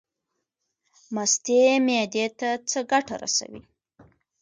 مستې معدې ته څه ګټه رسوي؟